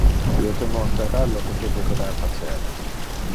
Io te monstrara lo que tu debera facer.